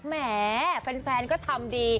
แหมแฟนก็ทำดี